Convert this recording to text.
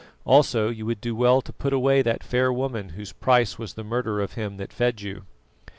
Also you would do well to put away that fair woman whose price was the murder of him that fed you."